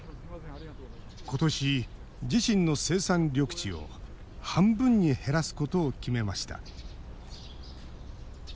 ことし、自身の生産緑地を半分に減らすことを決めました。